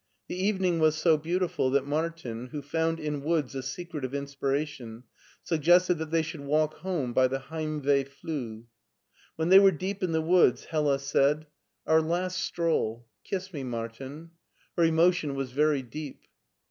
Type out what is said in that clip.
The evening was so beautiful that Martin, who found in woods a secret of inspiration, suggested that they should walk home by the Heimweh Fluh. When they were deep in the woods Hella 3aid, 156 MARTIN SCHttLER ''Our last stroll! Kiss me/ Martin/' Her emotion was very deep.